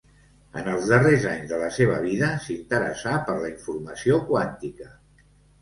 En els darrers anys de la seva vida s'interessà per la informació quàntica.